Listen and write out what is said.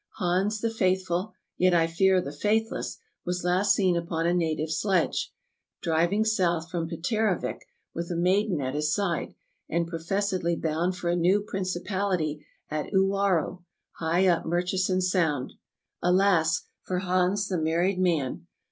Hans the faithful, yet I fear the faithless, was last seen upon a native sledge, driving south from Peteravik with a maiden at his side, and professedly bound for a new principality at Uwarrow, high up Murchison Sound. Alas! for Hans the married man.